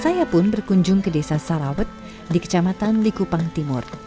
saya pun berkunjung ke desa sarawet di kecamatan likupang timur